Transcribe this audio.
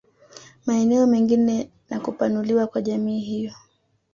Maeneo mengine na kupanuliwa kwa jamii hiyo